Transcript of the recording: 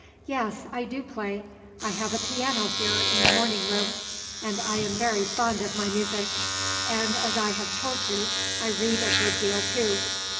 Yes; I do play. I have a piano here in the morning room, and I am very fond of my music. And, as I have told you, I read a good deal, too.